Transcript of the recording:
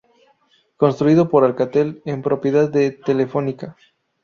Construido por Alcatel, en propiedad de Telefónica.